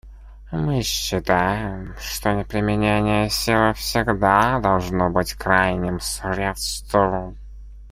Мы считаем, что применение силы всегда должно быть крайним средством.